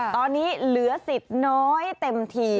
ตอนนี้เหลือสิทธิ์น้อยเต็มที